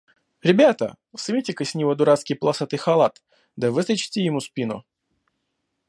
Ребята! сымите-ка с него дурацкий полосатый халат, да выстрочите ему спину.